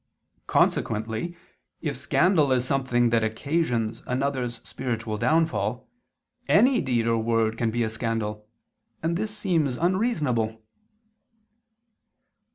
Consequently, if scandal is something that occasions another's spiritual downfall, any deed or word can be a scandal: and this seems unreasonable.